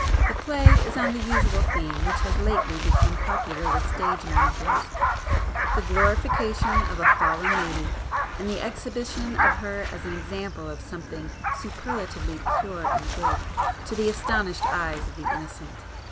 The play is on the usual theme which has lately become popular with stage managers,—the glorification of a 'fallen' lady, and the exhibition of her as an example of something superlatively pure and good, to the astonished eyes of the innocent.